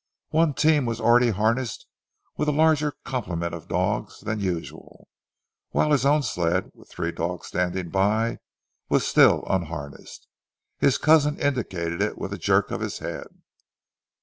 One team was already harnessed with a larger complement of dogs than usual, whilst his own sled, with three dogs standing by, was still unharnessed. His cousin indicated it with a jerk of his head.